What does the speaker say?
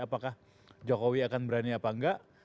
apakah jokowi akan berani apa enggak